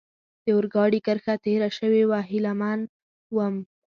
د اورګاډي کرښه تېره شوې وه، هیله مند ووم.